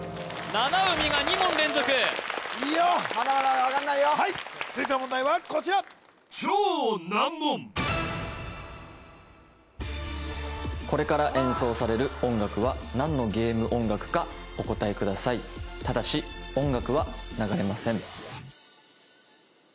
七海が２問連続いいよまだまだ分かんないよはい続いての問題はこちらこれから演奏される音楽は何のゲーム音楽かお答えくださいただし音楽は流れません